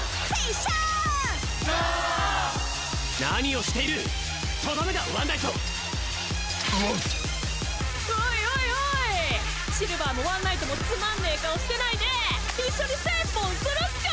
シルヴァーもワンナイトもつまんねえ顔してないで一緒にセイポンするっしょ！